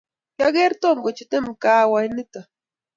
kiageer Tom kochuteimkaawa nito